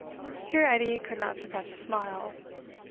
(Here Edie could not suppress a smile.)